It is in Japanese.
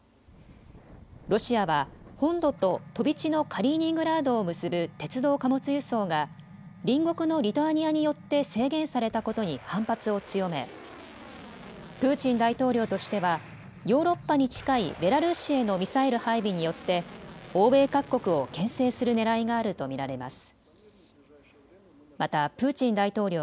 ロシアは本土と飛び地のカリーニングラードを結ぶ鉄道貨物輸送が隣国のリトアニアによって制限されたことに反発を強めプーチン大統領としてはヨーロッパに近いベラルーシへのミサイル配備によって欧米各国をけん制するねらいがあると見られます。